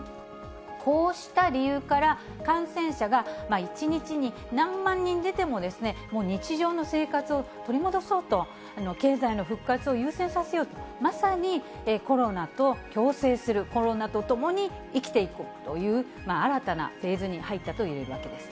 こうした理由から、感染者が１日に何万人出ても、もう日常の生活を取り戻そうと、経済の復活を優先させようと、まさにコロナと共生する、コロナと共に生きていくという、新たなフェーズに入ったといえるわけです。